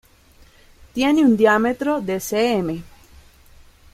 Tiene un diámetro de cm.